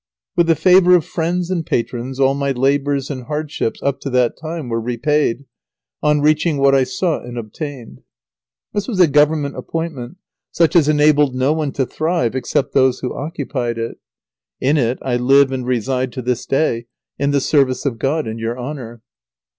With the favour of friends and patrons all my labours and hardships, up to that time, were repaid, on reaching what I sought and obtained. [Sidenote: Lazaro gets a Government appointment, and is married.] This was a Government appointment such as enabled no one to thrive except those who occupied it. In it I live and reside to this day, in the service of God and your Honour.